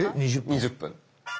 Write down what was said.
２０分。